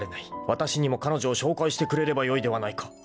わたしにも彼女を紹介してくれればよいではないか］